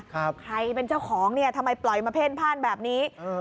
ใครเป็นเจ้าของเนี่ยทำไมปล่อยมาเพ่นพ่านแบบนี้เออ